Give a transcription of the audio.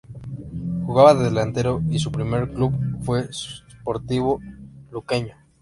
Jugaba de delantero y su primer club fue Sportivo Luqueño.